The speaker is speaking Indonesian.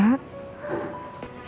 hidup normal seperti orang kebanyakan